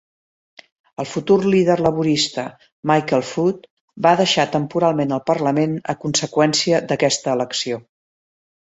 El futur líder laborista Michael Foot va deixar temporalment el parlament a conseqüència d'aquesta elecció.